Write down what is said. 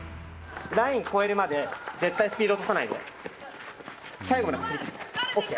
ライン越えるまで、絶対スピード落とさないで。